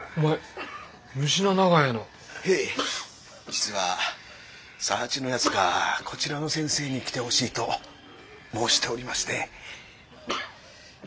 実は佐八のやつがこちらの先生に来てほしいと申しておりまして。